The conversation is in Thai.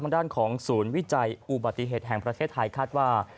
ด้านของศูนย์วิจัยอุบัติเหตุแห่งประเทศไทยคาดว่า